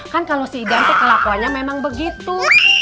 kan kalau si idan itu kelakunya memang begitu